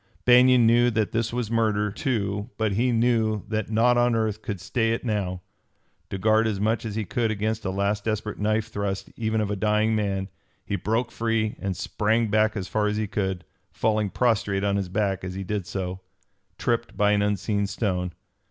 Banion knew that this was murder, too, but he knew that naught on earth could stay it now. To guard as much as he could against a last desperate knife thrust even of a dying man, he broke free and sprang back as far as he could, falling prostrate on his back as he did so, tripped by an unseen stone.